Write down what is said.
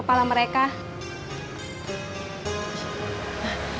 ya udah makan yuk